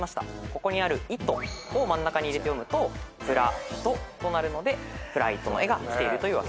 ここにある「いと」を真ん中に入れて読むと「ふらいと」となるのでフライトの絵がきているというわけです。